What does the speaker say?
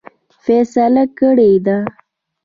فیصله کړې ده.